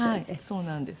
そうなんです。